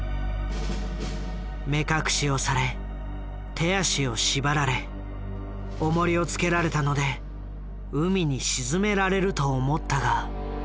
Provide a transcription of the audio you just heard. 目隠しをされ手足を縛られおもりをつけられたので海に沈められると思ったが。